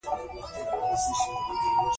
ويې ويل چې د کال يواځې دېرش تومنه تنخوا لري.